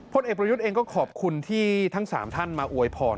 เด็กประยุทธ์เองก็ขอบคุณที่ทั้ง๓ท่านมาอวยพร